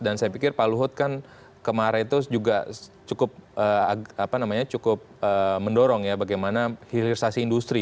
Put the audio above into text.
dan saya pikir pak luhut kan kemarin itu juga cukup mendorong ya bagaimana hilirsasi industri